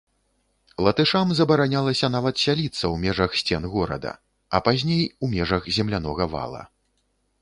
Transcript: Латышам забаранялася нават сяліцца ў межах сцен горада, а пазней, у межах землянога вала.